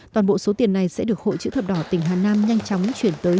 toàn bộ số tiền này sẽ được hội chữ thập đỏ tỉnh hà nam nhanh chóng chuyển tới